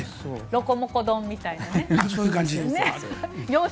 ロコモコ丼みたいな。